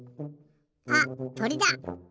あっとりだ。